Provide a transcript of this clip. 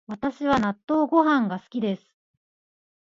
私は納豆ご飯が好きです